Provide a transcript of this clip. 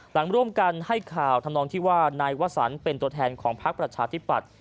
หลังร่วมกันให้ข่าวทำนองที่ว่านายวสันเป็นตัวแทนของพักประชาธิปัตย์